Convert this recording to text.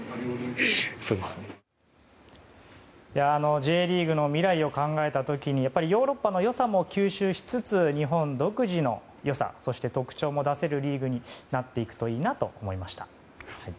Ｊリーグの未来を考えた時にヨーロッパの良さも吸収しつつ日本独自の良さそして特徴も出せるリーグになっていくといいなと思いました。